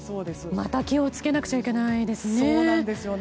また気をつけなくちゃいけないですね。